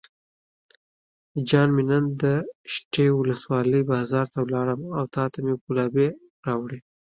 جان مې نن دشټي ولسوالۍ بازار ته لاړم او تاته مې ګلابي راوړې.